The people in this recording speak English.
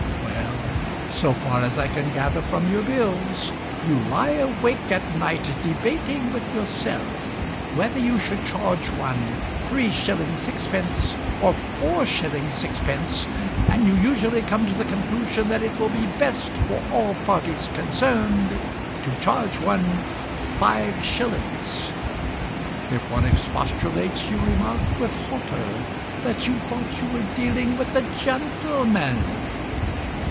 Well, So far as I can gather from your bills, You lie awake at night Debating with yourself Whether you should charge one 3s. 6d. or 4s. 6d. And you usually come to the conclusion That it will be best For all parties concerned To charge one 5s. If one expostulates, You remark With hauteur That you thought you were dealing with a gentleman.